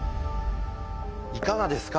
いかがですか？